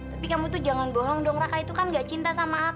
tapi kamu tuh jangan bohong dong raka itu kan gak cinta sama aku